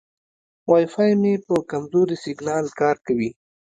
وای فای مې په کمزوري سیګنال کار کوي.